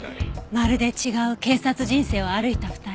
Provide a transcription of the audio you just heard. まるで違う警察人生を歩いた２人。